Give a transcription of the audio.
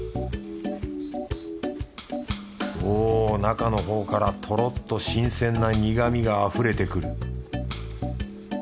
おぉ中のほうからとろっと新鮮な苦みがあふれてくる